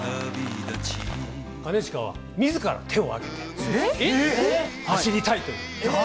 兼近はみずから手を挙げて、走りたいという。